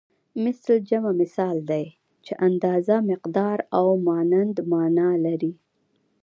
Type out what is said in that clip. مثل جمع مثال دی چې اندازه مقدار او مانند مانا لري